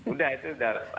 udah itu sudah